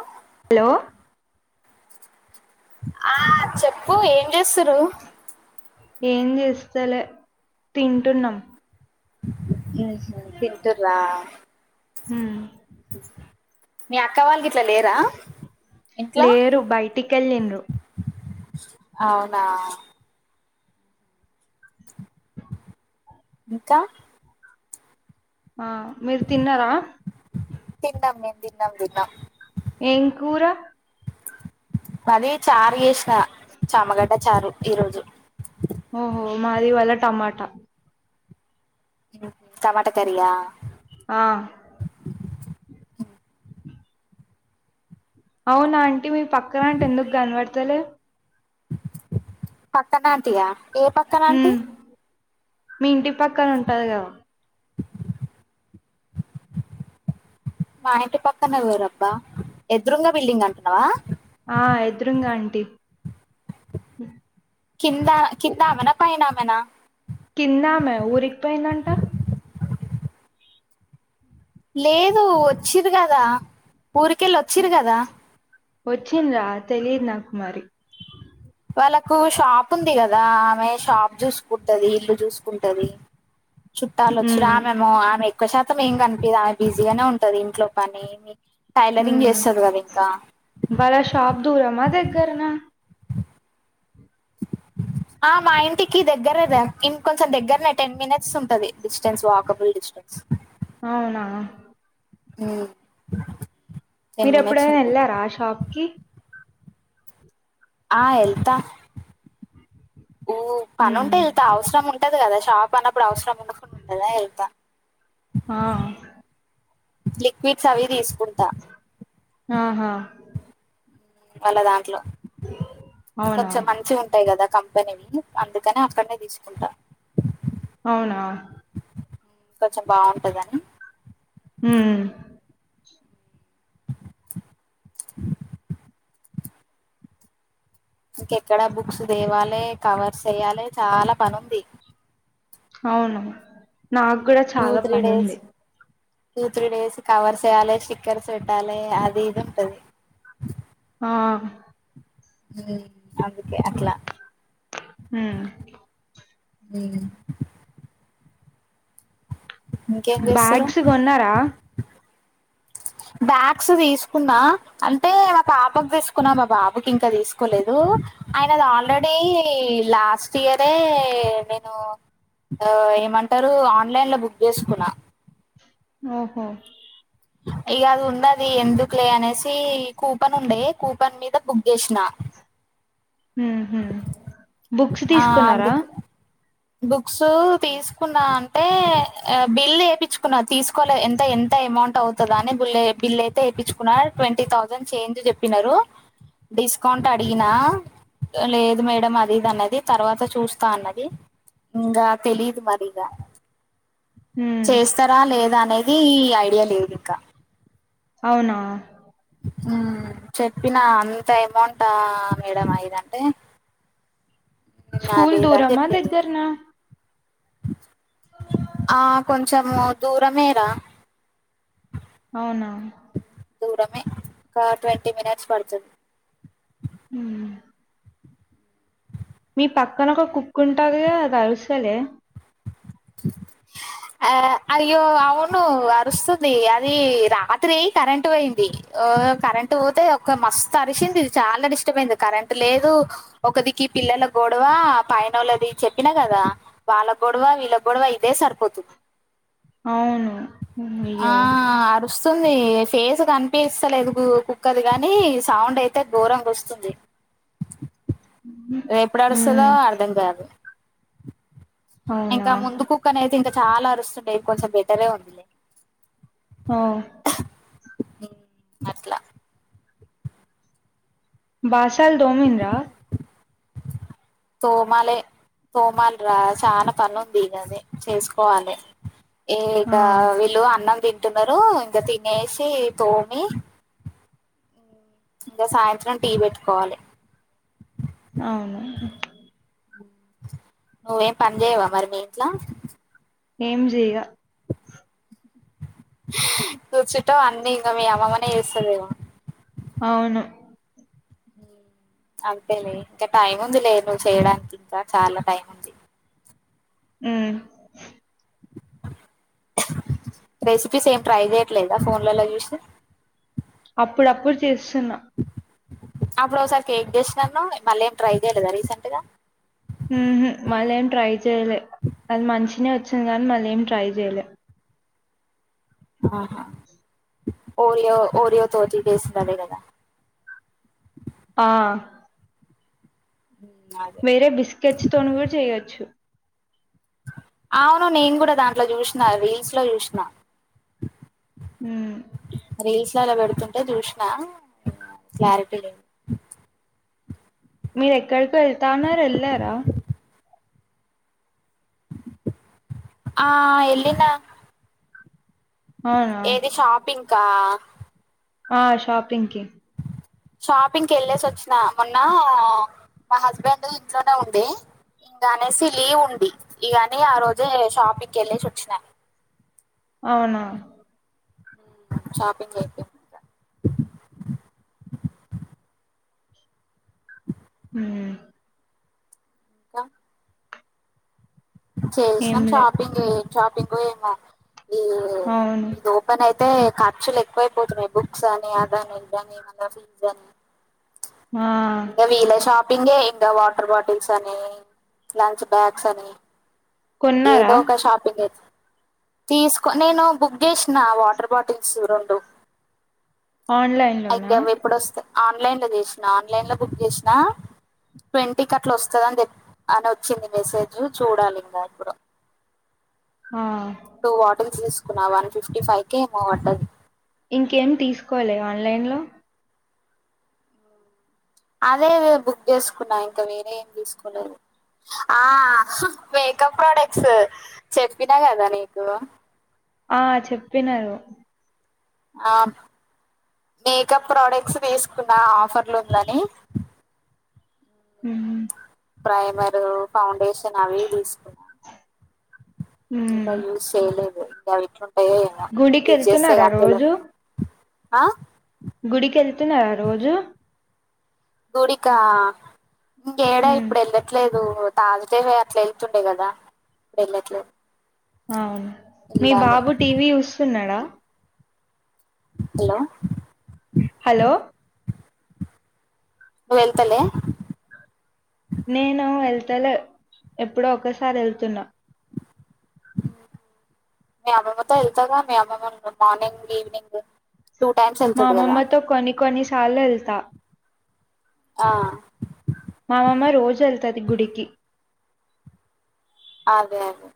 ఒ హలో ఆ చెప్పు ఏం జేస్సురు ఏం జేస్తలే తింటున్నాం ఉహు తింటురా ఉమ్ మీ అక్క వాళ్ళు గిట్లా లేరా ఇంట్లో లేరు బైటికెళ్ళిండ్రు అవునా ఇంకా ఆ మీరు తిన్నారా తింటాం మేం తిన్నాం దిన్నం దినం ఏంకూర మది చారు ఏష్నా చామగడ్డ చారు ఈ రోజు ఓహో మాది ఇవ్వాళ్ళ టమాట టమాట కారియా ఆ అవునా అంటీ మీ పక్కన ఆంటీ ఎందుకు కన్వడ్తలేదు పక్కన అంటీయా ఏ పక్కన అంటి ఉమ్ మీ ఇంటి పక్కన ఉంటది గదా మా ఇంటి పక్కన ఎవరబ్బా ఎద్రుంగ బిల్డింగ్ అంటున్నావా ఆ ఎద్రుంగా అంటీ కిందా కిందామెనా పైనామెనా కిందమె ఊరికిపోయిందంట లేదు ఒచ్చిరు గదా ఊరికేళ్ళ ఒచ్చిరు గదా ఒచ్చిందా తెలీద్ నాకు మరి వాళ్ళలకు షాప్ ఉంది గదా ఆమె షాప్ జుస్కుంటది ఇల్లు జుస్కుంటది చుట్టాలు వచ్చిన ఉమ్ ఆమెమో ఆమె ఎక్కువ శాతం ఏం కనిపియాది ఆమె బిజీగానే ఉంటది ఇంట్లో పని టైలరింగ్ ఉమ్ చేస్తది కదా ఇంకా వాళ్ళ షాప్ దూరమా దగ్గరనా ఆ మా ఇంటికి దగ్గరదా ఇమ్ కొంచెం దగ్గరనే టెన్ మినిట్స్ ఉంటది డిస్టెన్స్ వాకబుల్ డిస్టెన్స్ అవునా అ మీరేప్పుడైనా వెళ్లారా ఆ షాప్ కి ఆ వెళ్తా ఊ పని ఉంటే హ్మ్ వెళ్తా అవసరం ఉంటది కదా షాప్ అన్నప్పుడు అవసరం ఉండకుండా ఉంటందా వెళ్తా ఆ లిక్విడ్స్ అవి తీసుకుంటా ఆహా వాళ్ళ దాంట్లో అవునా? కొంచెం మంచిగా ఉంటాయి కదా కంపెనీవి అందుకనే అక్కడనే తీసుకుంటా అవునా కొంచెం బాగుంటదని ఉమ్ ఇంకెక్కడా బుక్స్ దేవాలి కవర్స్ వెయ్యాలే చాలా పని ఉంది అవును నాక్కూడా two three days two three days covers వెయ్యాలి స్టిక్కర్స్ పెట్టాలే అది ఇది ఉంటది ఆ అందుకే అట్లా హ అ ఇంకేం చేస్తారు బ్యాగ్స్ కొన్నారా బ్యాగ్స్ తీసుకున్నా అంటే మా పాపకు తీసుకున్నా మా బాబుకి ఇంకా తీసుకోలేదు అయనది ఆల్రెడీ లాస్ట్ ఇయరే నేను ఏమంటారు ఆన్లైన్లో బుక్ చేసుకున్నా ఓహో ఇక అది ఉన్నది ఎందుకులే అనేసి కూపన్ ఉండే కూపన్ మీద బుక్ చేసిన ఉ హు బుక్స్ ఆ తీసుకున్నారా అందుకు బుక్స్ తీసుకున్నా అంటే బిల్ ఏపిచ్చుకున్న తీసుకోలే ఎంత ఎంత ఎమౌంట్ అవుతు దాని బుల్ బిల్ అయితే వేపిచ్చుకున్నారు ట్వంటీ థౌజండ్ చేంజ్ చెప్పినారు డిస్కౌంట్ అడిగినా లేదు మేడం అది ఇది అన్నది తర్వాత చూస్తా అన్నది ఇంగా తెలీదు మరీగా హ్మ్. చేస్తారా లేదా అనేది ఈ ఐడియా లేదు అవునా ఉమ్ చెప్పిన అంత అమౌంట్ ఆ మేడం ఐదంటే స్కూల్ దూరమా, [unintelligible] దగ్గరనా? ఆ కొంచము దూరమేర అవునా దూరమే ఒక ట్వంటీ మినిట్స్ పడుతుం ఉ మీ పక్కన ఒక కుక్ ఉంటది కదా అది అరుస్తా హామ్ ఆ అయ్యో అవును అరుస్తది అది రాత్రి కరెంటు పోయింది ఓ కరెంట్ పోతే ఒక మస్తు అరిసింది చాల డిస్టబ్ అయింది కరెంట్ లేదు ఒకదికి పిల్లల గొడవ పైన ఒళ్ళది చెప్పినా కదా వాళ్ళ గొడవ వీళ్ళ గొడవ ఇదే సరిపో [unintelligible] అవును ఆ అయ్యో! అ వస్తుంది ఫేస్ కనిపిస్తలేదు కుక్కది కాని సౌండ్ అయితే ఘోరంగ వస్తుంది హు ఎప్పుడూ అరుస్తదో అర్థం కాదు అవునా? ఇంకా ముందు కుక్క అనే అయితే ఇంక చాలా అరుస్తుండే ఇది కొంచెం బెటరే ఉంది హ అట్ల బాషల్ దొమిండ్ర తోమాలే తోమాల్రా చాలా పనుంది కాది చేసుకోవాలే ఏ ఆ ఇక వీళ్ళు అన్నం తింటున్నారు ఇంక తినేసి తోమి ఇంగ సాయంత్రం టీ పెట్టుకోవాలే అవును నువ్వేం పని చేయవా మరి నీ ఇంట్ల ఏం జేయ కూర్చుంటావు అన్నీ ఇంగ మీ అమ్మమ్మనే చేస్తుదేమో అవును అంతేలే ఇంకా టైం ఉందిలే నువ్వు చేయడానికి ఇంక చాలా టైం ఉం ఉ రెసిపీస్ ఏం ట్రై చెయట్లేద ఫోన్లలో చూసి అప్పుడప్పుడు చేస్తున్న అప్పుడు ఒకసారి కేక్ చేసినాను అన్నావ్ మళ్ళీ ఏం ట్రై చేయలేద రీసెంట్గా ఉహు మళ్ళ ఏం ట్రై చెయలే అది మంచినే వచ్చింది కానీ మళ్ళ ఏం ట్రై చెయలే ఆహా ఓరియో ఓరియో తోటి చేసింది అదే కదా ఆ [unintelligible] వేరే బిస్కెట్స్ తోని కూడ చేయొచ్చు అవును నేను కూడ దాంట్లో చూసిన రీల్స్ లో చూసిన ఉ రీల్సలో పెడుతుంటే చూసిన క్లారిటీ లే మీరు ఎక్కడికో ఎళ్తా అన్నారు ఎళ్ళార ఆ ఎల్లిన అవునా ఏది షాపింక ఆ షాపింగ్కి షాపింగ్కి ఎళ్ళేసి వచ్చినా మొన్న మా హస్బెండ్ ఇంట్లోనే ఉండే ఇంక అనేసి లీవ్ ఉంది ఇ అని ఆ రోజే షాపికి ఎల్లెసి వచ్చిన అవునా షాపింగ్ అయితే ఉమ్మ్ ఇంకా ఏం చేసినం లే షాపింగ్ ఎ ఏం షాపింగో ఏమో అవును పన అయితే ఖర్చులు ఎక్కువయిపోతున్నాయి బుక్స్ అని అదని ఇదని మల్ల ఫీజ్ అని ఆ ఇగవీల్ల షాప్ ప్పింగే ఇంగ వాటర్ బాటిల్స్ అని లంచ్ బాక్స్ అని ఏదో కొన్నారా ఒక షాపింగ్ అయితుం తీసుకో నేను బుక్ చేసిన వాటర్బాటిల్స్ రొండు ఆన్లైన్ అయితే లోనా అవి ఎప్పుడో స్తా ఆన్లైన్లో చేసినా ఆన్లైన్ లో బుక్ చేసినా ట్వంటి కట్ల వస్తదని చెప్ప అని అచ్చింది మెసేజ్ చూడాలి ఇంగ ఎప్పుడో ఆ టూ బాటిల్స్ తీసుకున్నా వన్ ఫిఫ్టీ ఫైవ్ కే ఏమో వడ్డది ఇంకేం తీసుకోలె ఆన్లైన్లో అదే బుక్ చేసుకున్నా ఇంక వేరే ఏం తీసుకోలేదు ఆ మేకప్ ప్రోడక్ట్స్ చెప్పిన కద నీకు ఆ చెప్పినరు ఆ మేకప్ ప్రోడక్ట్స్ వేసుకున్న ఆఫర్లు ఉందని ఉమ్మ్ ప్రైమరు ఫౌండేషన్ అవి తీసుకున్న హ్మ్ ఇంకా యూజ్ చేయలేదు ఇంక అవి ఎట్లుంటాయో ఏమో గుడికి యూజ్ చేస్తే వెళ్తున్నారా గాని తెల్వదు రోజు ఆ గుడికి ఎళ్తున్నారా రోజు గుడికా ఇంకేడా హ్మ్ ఇప్పుడు ఎళ్ళట్లేదు తాసుడే అట్లా ఎళ్తుండే కదా వెళ్ళట్లేదు అవును మీ వెళ్ళాలి బాబు టీవీ చూస్తున్నాడా హలో హలో నువ్ వెళ్తలే నేను ఎళ్తలే ఎప్పుడో ఒకసారి ఎళ్తున్నా [inaudible] మీ అమ్మమ్మతో ఎళ్తావు గా మీ అమ్మమ్మ మార్నింగ్ ఈవినింగ్ టూ టైమ్స్ మా వెళ్తది కదా అమ్మమ్మతో కొన్ని కొన్నిసార్లు ఎళ్తా ఆ మా అమమ్మ రోజు వెళ్తుది గుడికి అదే అదే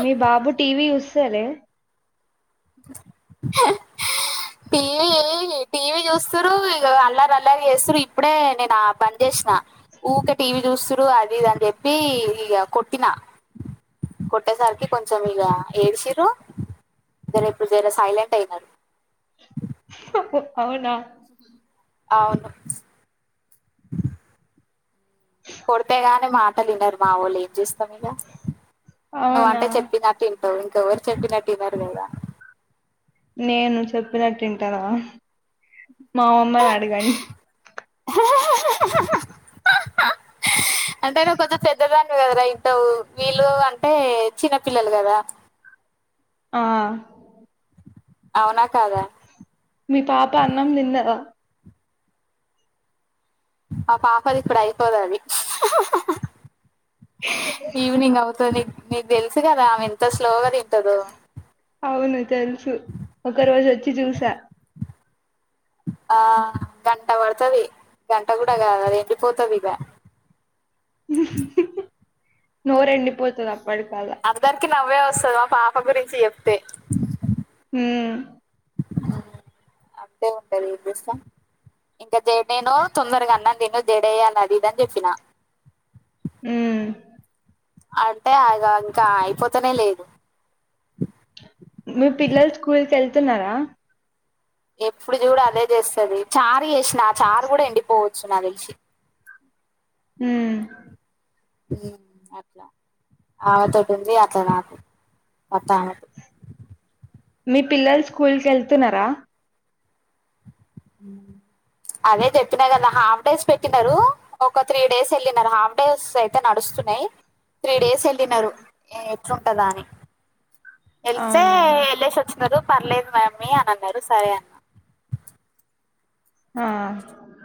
మీ బాబు టీవీ చూస్తలే హా టీవీ టీవీ చూస్తురు ఇక అల్లారి అల్లారి చేస్తురు ఇప్పుడే నేను ఆ పని చేసిన ఊకే టీవీ చూస్తురు అది ఇది అని చెప్పి ఇక కొట్టిన కొట్టే సార్కి కొంచెం ఇగా ఏడ్సిరు జరే ఇప్పుడుజర సైలెంట్ అయినారు హ్మ్ అవునా అవును కొడితేగానీ మాటలు వినరు మా వాళ్ళు ఏం చేస్తావు ఇక నువ్వు అవునా అంటే చెప్పిన వింటావు ఇంక ఎవరు చెప్పినట్టు వినరు కదా నేను చెప్పినట్టు వింటానా మామమ్మని అడగండి హా హా హా అంటే నువ్వు కొంచం పెద్దదానివి కదరా వింటావు వీళ్ళు అంటే చిన్నపిల్లలు కదా ఆ అవునా కాదా మీ పాప అన్నం తిన్నద ఆ పాపది ఇప్పుడు అయిపోదది ఈవినింగ్ అవుతు తది నీకు తెలుసు కదా ఆమె ఎంత స్లోగా తింటదొ అవును తెలుసు ఒక రోజు వచ్చి చూసా ఆ గంట పడతది గంట కూడా కాదు ఎండి పోతది ఇగా నోరెండపోతుందా అప్పటి కల్లా అందరికి నవ్వే వస్తుంది మా పాప గురించి చెప్తే హామ్ అంతే ఉంటది ఏం చేస్తాం ఇంకా జడ నేను తొందరగా అన్నం తిను నేను జడేయాలి అది ఇది అని చెప్పిన ఉ అంటే ఆగా ఇంకా అయిపోతనే లేదు మీ పిల్లలు స్కూల్ కి వెళ్తున్నారా ఎప్పుడు చూడ అదే చేస్తది చారు చేసిన ఆ చారు కూడా ఎండిపోవచ్చు నా తెలిసి హామ్ అట్లా ఆమెతో ఉంది అట్లా నాకు మొత్తానికి మీ పిల్లలు స్కూల్ కి వెళ్తున్నారా అదే చెప్పిన కదా హాఫ్ డేస్ పెట్టినారు ఒక త్రీ డేస్ వెళ్ళిం హాఫ్ డేస్ అయితే నడుస్తున్నాయి త్రీ డేస్ వె వెళ్ళినారు ఎట్లుంటదా అని వెళ్తే అవునా వెళ్ళసి వచ్చన్నారు పర్లేదు మ్యామ్మీ అని అన్నారు సరే అ ఆ